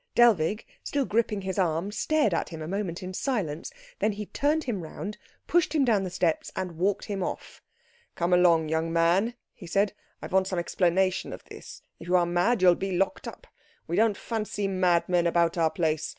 Dellwig, still gripping his arm, stared at him a moment in silence; then he turned him round, pushed him down the steps, and walked him off. "Come along, young man," he said, "I want some explanation of this. If you are mad you'll be locked up. We don't fancy madmen about our place.